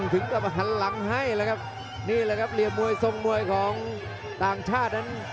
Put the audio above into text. ถึงกลับมาหันหลังให้แล้วครับนี่แหละครับเหลี่ยมมวยทรงมวยของต่างชาตินั้น